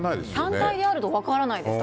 単体であると分からないですね。